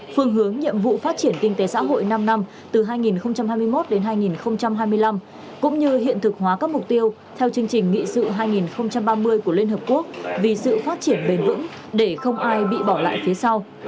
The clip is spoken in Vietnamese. phương hướng nhiệm vụ phát triển kinh tế xã hội năm năm từ hai nghìn hai mươi một đến hai nghìn hai mươi năm cũng như hiện thực hóa các mục tiêu theo chương trình nghị sự hai nghìn ba mươi của liên hợp quốc vì sự phát triển bền vững để không ai bị bỏ lại phía sau